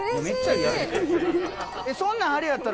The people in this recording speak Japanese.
そんなんありやったら。